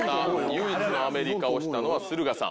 唯一アメリカを押したのは駿河さん。